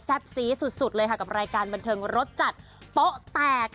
ซีสุดเลยค่ะกับรายการบันเทิงรสจัดโป๊ะแตก